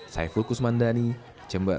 saya fulkus mandani jember